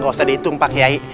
gak usah dihitung pak kiai